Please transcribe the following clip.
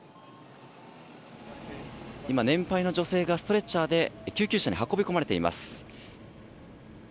今、年配の女性がストレッチャーで救急車に運び込まれています。